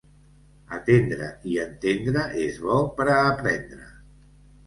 Atendre i entendre és bo per a aprendre.